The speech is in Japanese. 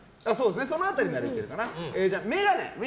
その辺りならいけるかな。